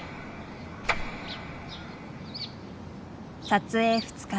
撮影２日目。